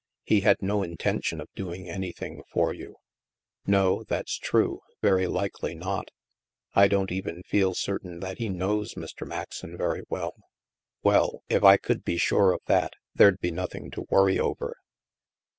He had no intention of doing anything for you." '* No, that's true. Very likely not." *'I don't even feel certain that he knows Mr, Maxon very well." " Well, if I could be sure of that, there'd be noth ing to worry over."